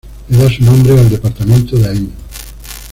Le da su nombre al departamento de Ain.